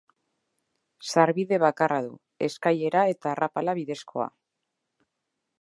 Sarbide bakarra du, eskailera eta arrapala bidezkoa.